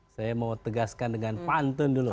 saya mau tegaskan dengan pantun dulu